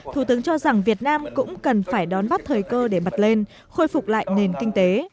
thủ tướng cho rằng việt nam cũng cần phải đón bắt thời cơ để mặt lên khôi phục lại nền kinh tế